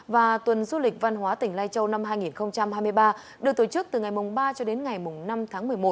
và tuần du lịch văn hóa tỉnh lai châu năm hai nghìn hai mươi ba được tổ chức từ ngày ba cho đến ngày năm tháng một mươi một